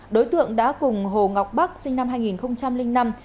đối tượng đã cùng hồ ngọc bắc sinh năm hai nghìn năm